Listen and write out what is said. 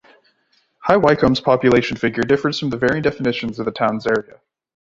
High Wycombe's population figure differs with the varying definitions of the town's area.